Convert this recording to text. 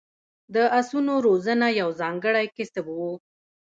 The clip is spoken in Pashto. د اسونو روزنه یو ځانګړی کسب و